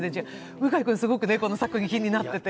向井君、すごくこの作品気になってて。